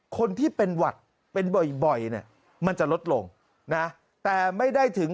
คนที่เป็นหวัดเป็นบ่อยเนี่ยมันจะลดลงนะแต่ไม่ได้ถึง